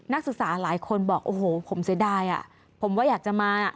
นักศึกษาหลายคนบอกโอ้โหผมเสียดายอ่ะผมว่าอยากจะมา